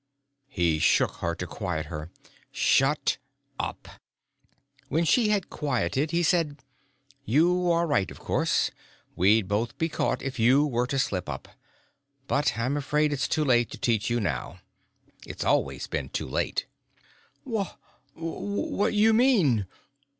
He shook her to quiet her. "Shut up!" When she had quieted, he said: "You are right, of course; we'd both be caught if you were to slip up. But I'm afraid it's too late to teach you now. It's always been too late." "Wha what ... what you mean?"